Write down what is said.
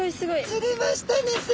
釣れましたねす